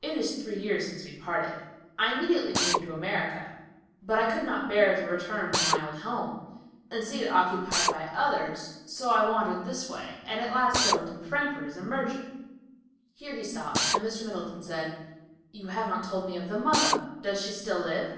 It is three years since we parted. I came immediately to America, but I could not bear to return to my old home, and see it occupied by others, so I wandered this way and at last settled in Frankfort as a merchant." Here he stopped and Mr. Middleton said, "You have not told me of the mother. Does she still live?"